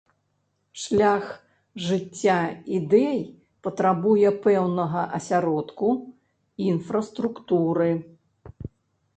Шлях жыцця ідэй патрабуе пэўнага асяродку, інфраструктуры.